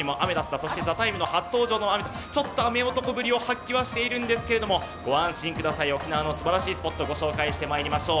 そして「ＴＨＥＴＩＭＥ，」の初登場も雨とちょっと雨男ぶりを発揮はしているんですけれども、ご安心ください、沖縄のすばらしいスポットをご紹介しましょう。